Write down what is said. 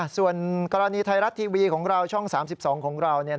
ส่วนกรณีไทยรัฐทีวีของเราช่อง๓๒ของเราเนี่ย